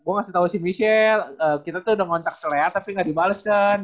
gue ngasih tau si michelle kita tuh udah kontak sama lea tapi gak dibalasan